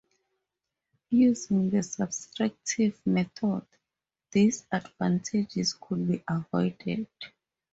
Using the subtractive method, these disadvantages could be avoided.